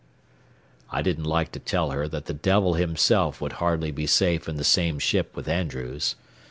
I didn't like to tell her that the devil himself would hardly be safe in the same ship with Andrews.